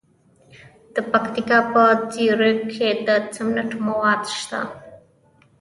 د پکتیکا په زیروک کې د سمنټو مواد شته.